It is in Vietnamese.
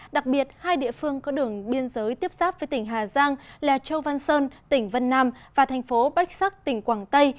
đặc biệt hai địa phương có đường biên giới tiếp xác với tỉnh hà giang là châu văn sơn tỉnh vân nam và thành phố bách sắc tỉnh quảng tây